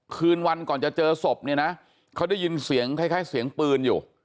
คืนวันก่อนจะเจอศพเนี่ยนะเขาได้ยินเสียงคล้ายเสียงปืนอยู่